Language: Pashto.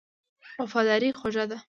وفاداري خوږه ده.